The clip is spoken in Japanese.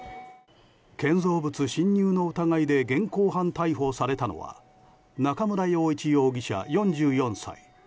建造物侵入の疑いで現行犯逮捕されたのは中村陽一容疑者、４４歳。